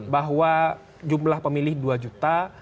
bahwa jumlah pemilih dua juta